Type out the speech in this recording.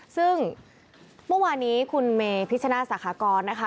ซึ่งเมื่อวานี้คุณเมพิชนาสาขากรนะคะ